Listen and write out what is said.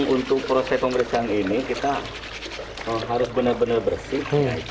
untuk proses pemeriksaan ini kita harus benar benar bersih